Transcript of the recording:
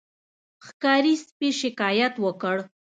ښکاري سپي شکایت وکړ.